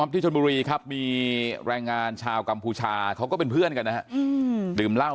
ที่ชนบุรีครับมีแรงงานชาวกัมพูชาเขาก็เป็นเพื่อนกันนะฮะดื่มเหล้า